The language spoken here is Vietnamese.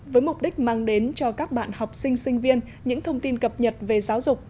với mục đích mang đến cho các bạn học sinh sinh viên những thông tin cập nhật về giáo dục